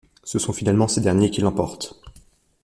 Ce sont finalement ces derniers qui l'emportent.